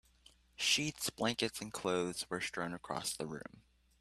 Sheets, blankets, and clothes were strewn across the room.